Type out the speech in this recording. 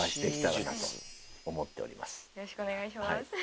よろしくお願いします。